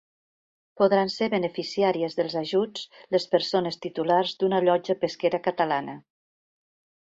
Podran ser beneficiàries dels ajuts les persones titulars d'una llotja pesquera catalana.